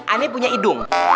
ini punya idung